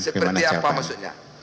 seperti apa maksudnya